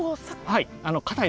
はい。